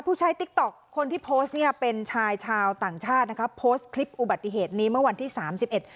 ใช้ติ๊กต๊อกคนที่โพสต์เนี่ยเป็นชายชาวต่างชาตินะคะโพสต์คลิปอุบัติเหตุนี้เมื่อวันที่สามสิบเอ็ด